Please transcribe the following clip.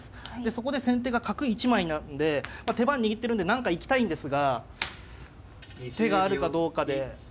そこで先手が角１枚なんで手番握ってるんで何か行きたいんですが手があるかどうかで。